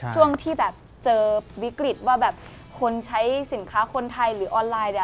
ช่วงที่เจอวิกฤติว่าคนใช้สินค้าคนไทยหรือออนไลน์